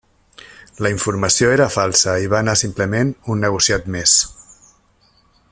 La informació era falsa i va anar simplement un negociat més.